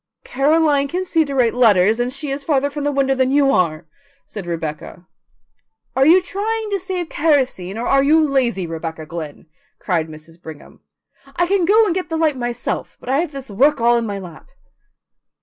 "Caroline can see to write letters, and she is farther from the window than you are," said Rebecca. "Are you trying to save kerosene or are you lazy, Rebecca Glynn?" cried Mrs. Brigham. "I can go and get the light myself, but I have this work all in my lap."